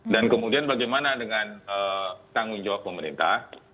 dan kemudian bagaimana dengan tanggung jawab pemerintah